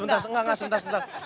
enggak enggak sebentar sebentar